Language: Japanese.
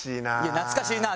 懐かしいなぁ。